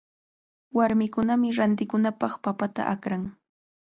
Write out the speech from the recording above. Warmikunami rantikunanpaq papata akran.